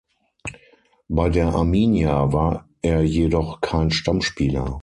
Bei der Arminia war er jedoch kein Stammspieler.